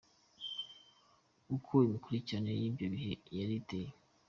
Uko imikurikiranire y’ibyo bihe yari iteye.